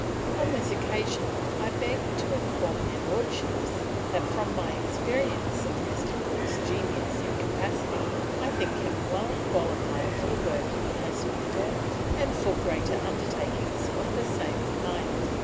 On this occasion I beg to inform their Lordships that from my experience of Mr. Cook's genius and capacity, I think him well qualified for the work he has performed and for greater undertakings of the same kind.